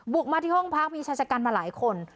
มาที่ห้องพักมีชายชะกันมาหลายคน